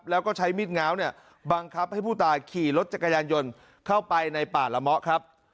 แล้วก็ใช้มิดง้าวเนี่ยบังคับให้ผู้ตายขี่รถจักรยานยนต์เข้าไปในป่าละเมาะครับ